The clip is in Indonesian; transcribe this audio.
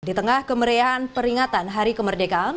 di tengah kemeriahan peringatan hari kemerdekaan